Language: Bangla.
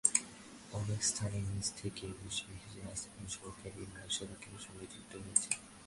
অনেক স্থানে নিচ থেকে উঠে এসে রাস্তাগুলো সরাসরি মহাসড়কের সঙ্গে যুক্ত হয়েছে।